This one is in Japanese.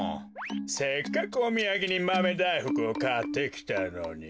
せっかくおみやげにマメだいふくをかってきたのに。